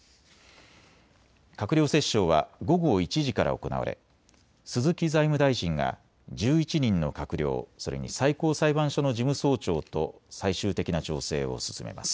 閣僚折衝は午後１時から行われ鈴木財務大臣が１１人の閣僚それに最高裁判所の事務総長と最終的な調整を進めます。